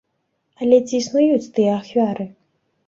Але ці існуюць тыя ахвяры?